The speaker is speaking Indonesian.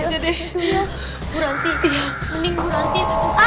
itu ya bu ranti ya mending bu ranti